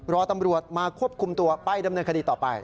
รอตำรวจมาควบคุมตัวไปดำเนินคดีต่อไป